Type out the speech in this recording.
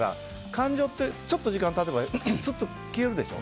感情って、ちょっと時間が経てばすっと消えるでしょ。